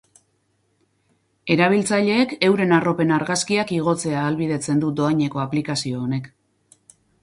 Erabiltzaileek euren arropen argazkiak igotzea ahalbidetzen du dohaineko aplikazio honek.